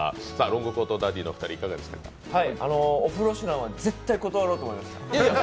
「オフロシュラン」は絶対断ろうと思いました。